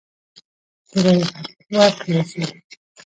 د رایې حق ورکړل شي.